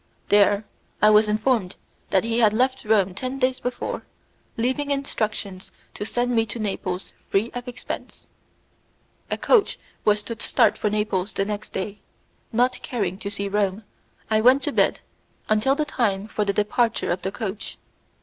There I was informed that he had left Rome ten days before, leaving instructions to send me to Naples free of expense. A coach was to start for Naples the next day; not caring to see Rome, I went to bed until the time for the departure of the coach.